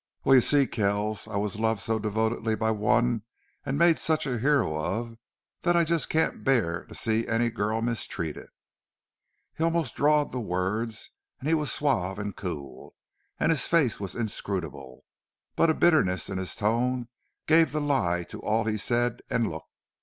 "Well, you see, Kells, I was loved so devotedly by one and made such a hero of that I just can't bear to see any girl mistreated." He almost drawled the words, and he was suave and cool, and his face was inscrutable, but a bitterness in his tone gave the lie to all he said and looked.